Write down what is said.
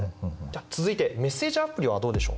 続いてメッセージアプリはどうでしょう？